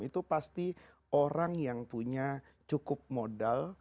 itu pasti orang yang punya cukup modal